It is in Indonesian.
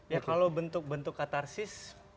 ya kalau bentuk bentuk katarsis